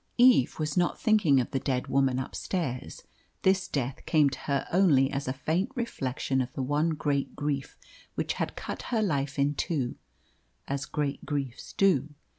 Eve was not thinking of the dead woman upstairs. This death came to her only as a faint reflection of the one great grief which had cut her life in two as great griefs do.